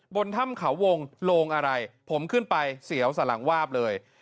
บนถ้ำเขาวงโลงอะไรผมขึ้นไปเสียวสลังวาบเลย